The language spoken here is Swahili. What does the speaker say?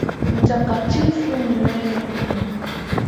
Mtakatifu ni wewe Mungu.